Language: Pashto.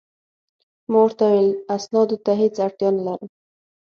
ما ورته وویل: زه اسنادو ته هیڅ اړتیا نه لرم.